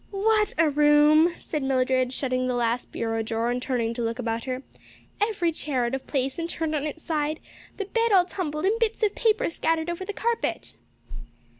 "What a room!" said Mildred, shutting the last bureau drawer and turning to look about her; "every chair out of place and turned on its side, the bed all tumbled and bits of paper scattered over the carpet."